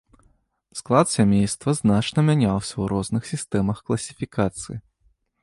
Склад сямейства значна мяняўся ў розных сістэмах класіфікацыі.